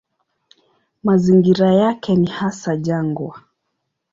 Mazingira yake ni hasa jangwa.